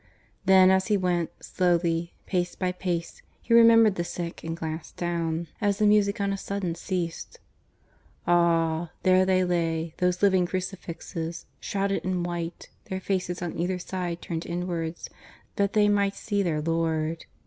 Then, as he went, slowly, pace by pace, he remembered the sick and glanced down, as the music on a sudden ceased. Ah! there they lay, those living crucifixes .... shrouded in white, their faces on either side turned inwards that they might see their Lord.